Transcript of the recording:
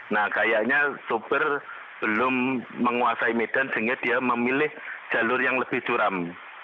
nah kayaknya sopir belum menguasai medan sehingga dia memilih jalur yang lebih curam